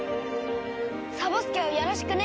サボ助をよろしくね。